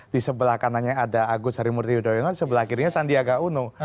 di sebelah kanannya ada agus harimurti yudhoyono sebelah kirinya sandiaga uno